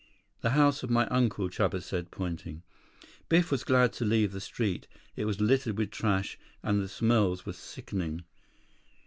"The house of my uncle," Chuba said, pointing. Biff was glad to leave the street. It was littered with trash, and the smells were sickening.